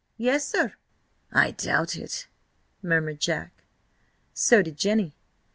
"Yessir!" "I doubt it," murmured Jack. So did Jenny.